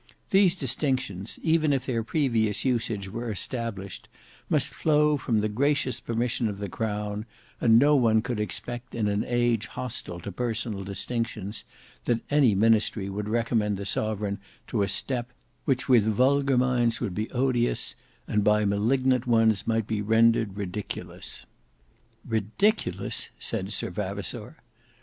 These distinctions, even if their previous usage were established, must flow from the gracious permission of the Crown, and no one could expect in an age hostile to personal distinctions, that any ministry would recommend the sovereign to a step which with vulgar minds would be odious, and by malignant ones might be rendered ridiculous." "Ridiculous!" said Sir Vavasour.